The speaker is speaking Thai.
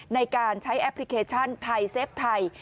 ในการใช้แอปพลิเคชันไทยเซฟไทย